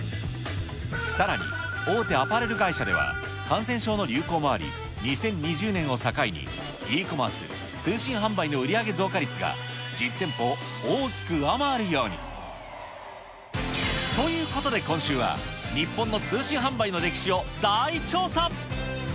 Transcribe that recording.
さらに、大手アパレル会社では、感染症の流行もあり、２０２０年を境に、Ｅコマース・通信販売の売り上げ増加率が実店舗を大きく上回ることに。ということで、今週は日本の通信販売の歴史を大調査。